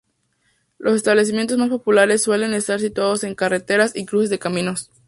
Los establecimientos más populares suelen estar situados en carreteras y cruces de caminos.